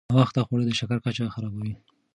ناوخته خواړه د شکر کچه خرابوي.